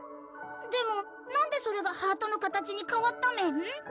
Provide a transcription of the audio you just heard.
でもなんでそれがハートの形にかわったメン？